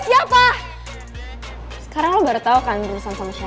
siapa yang naruh makanan gue di tong sampah